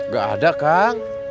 gak ada kang